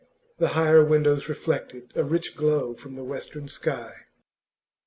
The higher windows reflected a rich glow from the western sky.